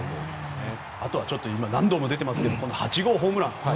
あとは何度も出てますがこの８号ホームラン。